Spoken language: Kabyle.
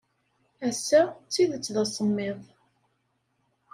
Ass-a, d tidet d asemmiḍ.